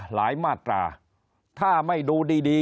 หลายมาตราถ้าไม่ดูดีเนี่ย